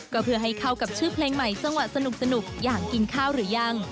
ก็เพื่อให้เข้ากับชื่อเพลงใหม่จังหวะสนุกอย่างกินข้าวหรือยัง